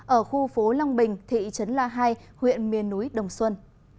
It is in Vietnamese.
ở khu phố long bình thị trấn lạ hai huyện miên núi đồng xuân